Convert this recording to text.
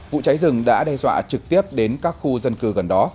vụ cháy rừng đã đe dọa trực tiếp đến các khu dân cư gần đó